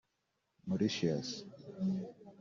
Mauritius